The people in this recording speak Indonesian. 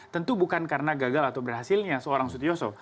tentu bukan karena gagal atau berhasilnya seorang sutyoso